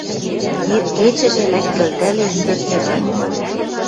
Ир кечӹжӹ лӓктӹлдӓлеш шӧртньӹ ганьы